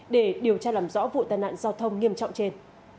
để điều tra làm rõ vụ tai nạn giao thông nghiêm trọng trên